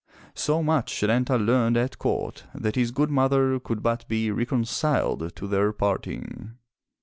So much Setanta learned at court that his good mother could but be reconciled to their parting.